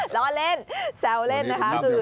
ร้อนเล่นแซวเล่นนะคะ